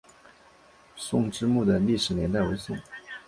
宋慈墓的历史年代为宋。